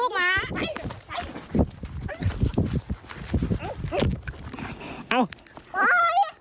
ไป